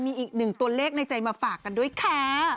มีอีกหนึ่งตัวเลขในใจมาฝากกันด้วยค่ะ